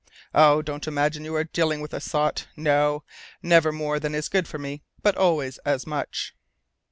Oh! don't imagine you are dealing with a sot! No! never more than is good for me, but always as much!"